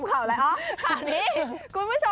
อาลืมเขาแล้วเอะ